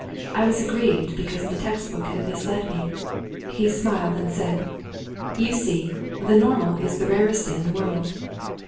I was ag grieved because the text book had misled me. He smiled and said: "You see, the normal is the rarest thing in the world."